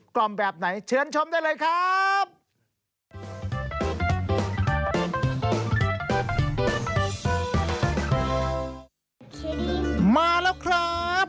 ล่อมแบบไหนเชิญชมได้เลยครับ